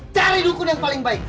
cari dukun yang paling baik